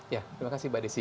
ya terima kasih mbak desi